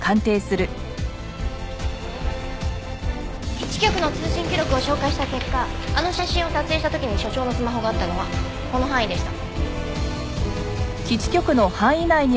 基地局の通信記録を照会した結果あの写真を撮影した時に所長のスマホがあったのはこの範囲でした。